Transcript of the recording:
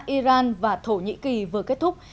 iran và thổ nhĩ kỳ vừa kết thúc